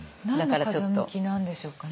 何の風向きなんでしょうかねそれは。